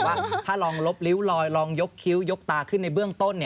ว่าถ้าลองลบลิ้วลอยลองยกคิ้วยกตาขึ้นในเบื้องต้น